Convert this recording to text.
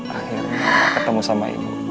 akhirnya ketemu sama ibu